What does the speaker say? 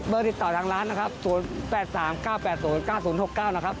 ติดต่อทางร้านนะครับ๐๘๓๙๘๐๙๐๖๙นะครับ